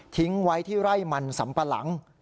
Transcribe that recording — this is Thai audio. ทิ้งไว้ที่ร่ายมันสัมปรัง